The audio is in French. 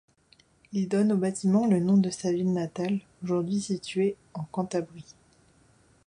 Il donne au bâtiment le nom de sa ville natale, aujourd'hui située en Cantabrie.